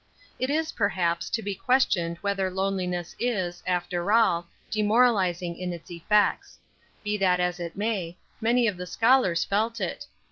It is, perhaps, to be questioned whether loneliness is, after all, demoralizing in its effects. Be that as it may, many of the scholars felt it.